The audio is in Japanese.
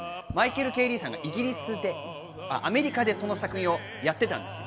マイケル・Ｋ・リーさんがイギリスで、アメリカでその作品をやってたんです。